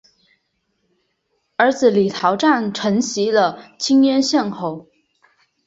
儿子李桃杖承袭了清渊县侯。